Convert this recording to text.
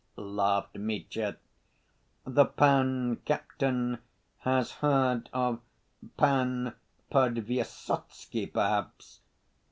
laughed Mitya. "The Pan Captain has heard of Pan Podvysotsky, perhaps?"